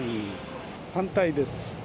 反対です。